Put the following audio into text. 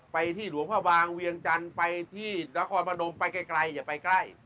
ไปที่หลวงพ่อวางเวียงจันทร์ไปที่นครพนมไปไกลอย่าไปใกล้